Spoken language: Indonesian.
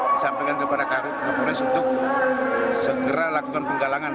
disampaikan kepada kapolres untuk segera lakukan penggalangan